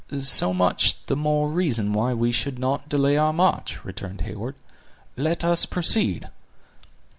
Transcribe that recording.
"So much the more reason why we should not delay our march," returned Heyward; "let us proceed."